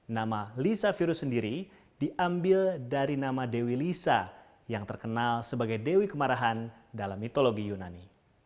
nama lisa virus sendiri diambil dari nama dewi lisa yang terkenal sebagai dewi kemarahan dalam mitologi yunani